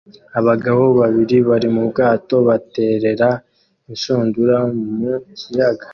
Abagabo babiri bari mu bwato baterera inshundura mu kiyaga